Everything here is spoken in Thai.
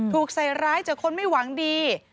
ถูกใส่ร้ายจากคนไม่หวังดี